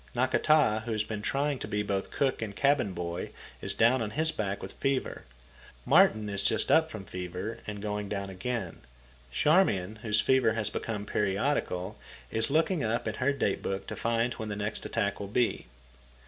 Nakata, who has been trying to be both cook and cabin boy, is down on his back with fever. Martin is just up from fever, and going down again. Charmian, whose fever has become periodical, is looking up in her date book to find when the next attack will be.